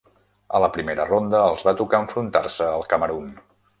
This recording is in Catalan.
A la primera ronda, els va tocar enfrontar-se al Camerun.